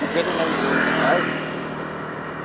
thì kết nặng